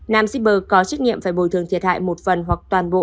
nam shipper có trách nhiệm phải bồi thường thiệt hại một phần hoặc toàn bộ